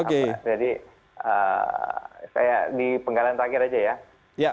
jadi saya di penggalan terakhir aja ya